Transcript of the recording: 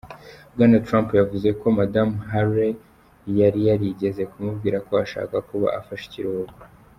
Bwana Trump yavuze ko Madamu Haley yari yarigeze kumubwira ko ashaka kuba afashe ikiruhuko.